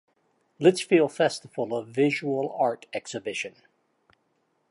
Lichfield Festival of Visual Art Exhibition.